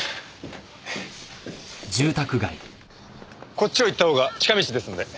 こっちを行った方が近道ですので。